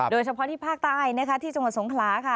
โดยเฉพาะที่ภาคใต้นะคะที่จังหวัดสงขลาค่ะ